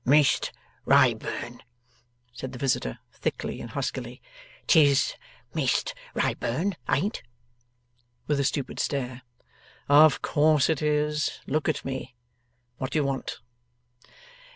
'Mist Wrayburn!' said the visitor, thickly and huskily. ' 'TIS Mist Wrayburn, ain't?' With a stupid stare. 'Of course it is. Look at me. What do you want?